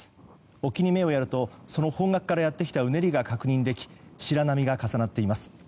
沖に目をやるとその方角からやってきたうねりが確認でき白波が重なっています。